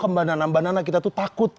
mbak nana mbak nana kita tuh takut